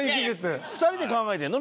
２人で考えてるの？